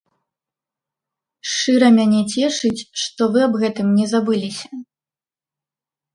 Шчыра мяне цешыць, што вы аб гэтым не забыліся.